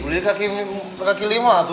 beli kaki lima tuh